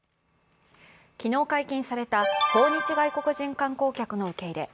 昨日解禁された訪日外国人観光客の受け入れ。